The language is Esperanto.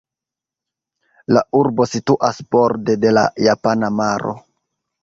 La urbo situas borde de la Japana maro.